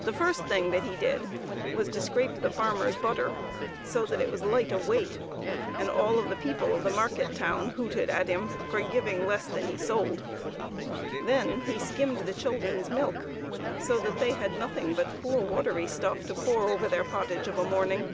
The first thing that he did was to scrape the farmer's butter, so that it was light of weight, and all of the people of the market town FARMER GRIGGS'S BOGGART. 81 hooted at him for giving less than he sold. Then he skimmed the children's milk, so that they had nothing but poor watery stuff to pour over their pottage of a morning..